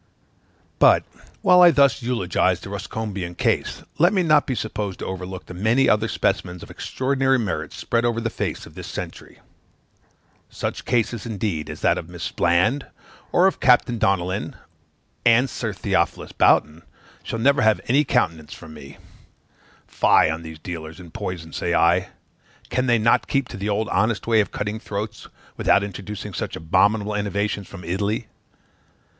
But, whilst I thus eulogize the Ruscombian case, let me not be supposed to overlook the many other specimens of extraordinary merit spread over the face of this century. Such cases, indeed, as that of Miss Bland, or of Captain Donnellan, and Sir Theophilus Boughton, shall never have any countenance from me. Fie on these dealers in poison, say I: can they not keep to the old honest way of cutting throats, without introducing such abominable innovations from Italy?